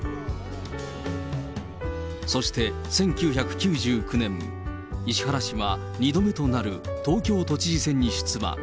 そして１９９９年、石原氏は２度目となる東京都知事選に出馬。